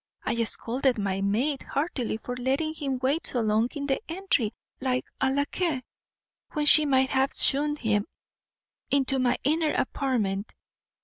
I scolded my maid heartily for letting him wait so long in the entry like a lacquais, when she might have shewn him into my inner apartment."